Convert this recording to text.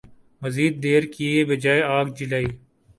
مزید دیر کئے بغیر آگ جلائی ۔